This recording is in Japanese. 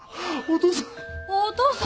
お父さん。